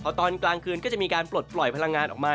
พอตอนกลางคืนก็จะมีการปลดปล่อยพลังงานออกมา